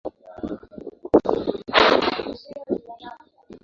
umbatiwa na mwenyeji wake nicolas sarkozy